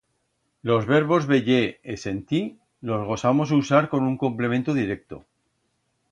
Los verbos veyer e sentir los gosamos usar con un complemento directo.